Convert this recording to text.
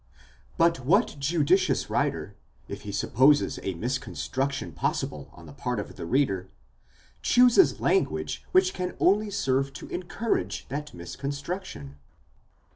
But what judicious writer, if he supposes a misconstruction possible on the part of the reader, chooses language which can only serve to encourage that misconstruction?